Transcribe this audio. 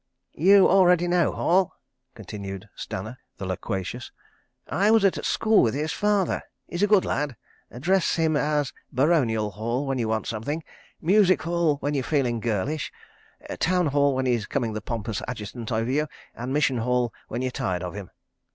"You already know Hall?" continued Stanner, the loquacious. "I was at school with his father. He's a good lad. Address him as Baronial Hall when you want something, Music Hall when you're feeling girlish, Town Hall when he's coming the pompous Adjutant over you, and Mission Hall when you're tired of him."